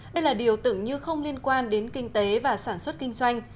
đây là điều tưởng như không liên quan đến kinh tế và sản xuất kinh doanh